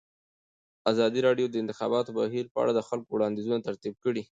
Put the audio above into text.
ازادي راډیو د د انتخاباتو بهیر په اړه د خلکو وړاندیزونه ترتیب کړي.